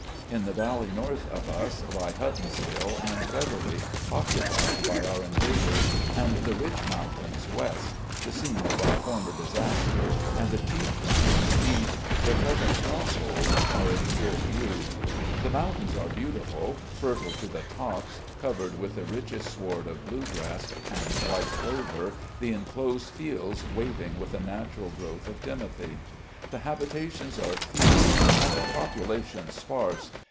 In the valley north of us lie Huttonsville and Beverly, occupied by our invaders, and the Rich Mountains west, the scene of our former disaster, and the Cheat Mountains east, their present stronghold, are in full view. "The mountains are beautiful, fertile to the tops, cov ered with the richest sward of bluegrass and white clover, the inclosed flelds waving with the natural growth of 40 RECOLLECTIONS OP GENERAL LEE timothy. The habitations are few and population sparse.